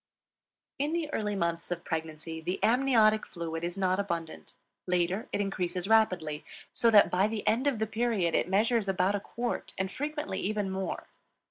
In the earlier months of pregnancy the amniotic fluid is not abundant; later it increases rapidly, so that by the end of the period it measures about a quart, and frequently even more.